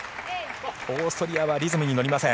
オーストリアはリズムに乗れません。